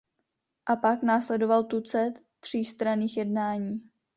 A pak následoval tucet třístranných jednání.